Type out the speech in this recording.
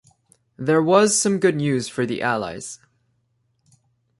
There was some good news for the Allies.